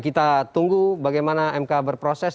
kita tunggu bagaimana mk berproses